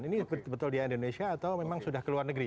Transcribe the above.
ini betul betul di indonesia atau memang sudah ke luar negeri